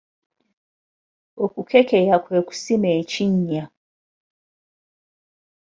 Okukekeya kwe kusima ekinnya.